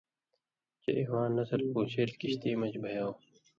چے اِواں نسل پون٘شیل کشتی مژ بَھیاؤ۔